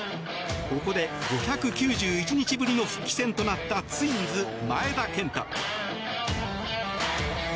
ここで５９１日ぶりの復帰戦となったツインズ、前田健太。